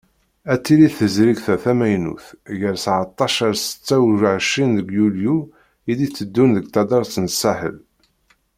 Ad tili tezrigt-a tamaynut, gar seεṭac ar setta u εecrin deg yulyu i d-itteddun deg taddart n Saḥel.